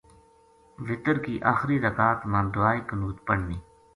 وتر کی آخری رکات ما دعا قنوت پڑھنی۔